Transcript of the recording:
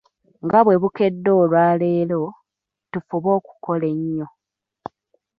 Nga bwe bukedde olwaleero, tufube okukola ennyo.